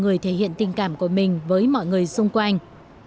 người thể hiện tình cảm của mình với mọi người xung quanh